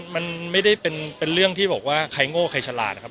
มันไม่ได้เป็นเรื่องที่บอกว่าใครโง่ใครฉลาดนะครับ